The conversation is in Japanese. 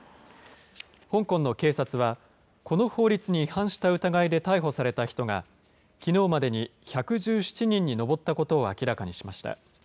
香港の警察は、この法律に違反した疑いで逮捕された人が、きのうまでに１１７人に上ったことを明らかにしました。